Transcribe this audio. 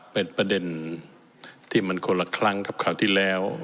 เป็นประเด็นที่มันคนละครั้งกับข่าวที่แล้ว